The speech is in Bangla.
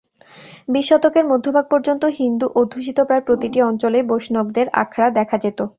বিশ শতকের মধ্যভাগ পর্যন্ত হিন্দু অধ্যুষিত প্রায় প্রতিটি অঞ্চলেই বৈষ্ণবদের আখড়া দেখা যেত।